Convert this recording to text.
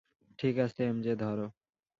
ঠিক আছে, এমজে, ধরো!